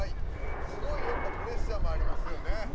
すごいプレッシャーもありますよね。